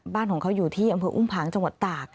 บ้านของเขาอยู่ที่อำเภออุ้มผางจังหวัดตาก